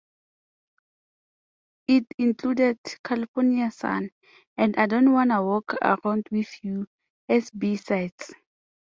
It included "California Sun" and "I Don't Wanna Walk Around with You" as B-sides.